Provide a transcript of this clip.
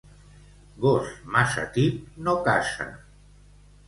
Gos massa tip no caça.